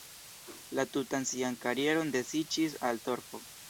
La tutan sian karieron dediĉis al torfo.